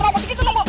ibu dikit dulu bu